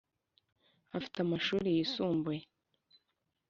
afite amashuri yisumbuye